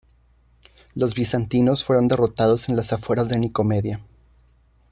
Los bizantinos fueron derrotados en las afueras de Nicomedia.